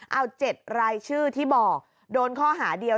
เอา๗รายชื่อที่บอกโดนข้อหาเดียว